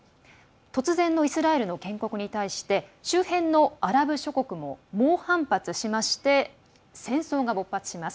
突然のイスラエルの建国に対して周辺のアラブ諸国も猛反発して戦争が勃発します。